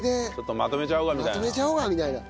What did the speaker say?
まとめちゃおうかみたいな。